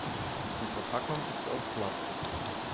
Die Verpackung ist aus Plastik.